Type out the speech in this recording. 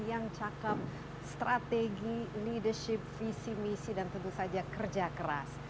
yang cakep strategi leadership visi misi dan tentu saja kerja keras